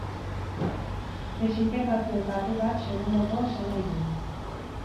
Desintegrazio-kate bat segundoko esanahi du.